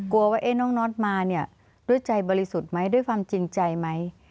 ว่าน้องน็อตมาเนี่ยด้วยใจบริสุทธิ์ไหมด้วยความจริงใจไหม